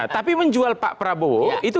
tapi menjual pak prabowo itu